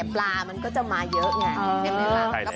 ปลามันก็จะมาเยอะไงในเวลา